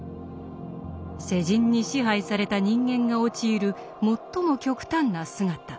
世人に支配された人間が陥る最も極端な姿。